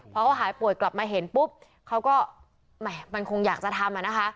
พอเขาหายป่วยกลับมาเห็นปุ๊บเขาก็แหม่มันคงอยากจะทำอะนะคะ